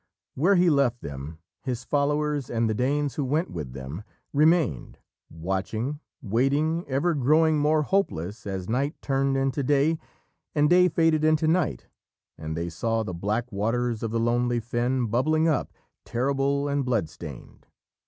Where he left them, his followers, and the Danes who went with them, remained, watching, waiting, ever growing more hopeless as night turned into day, and day faded into night, and they saw the black waters of the lonely fen bubbling up, terrible and blood stained.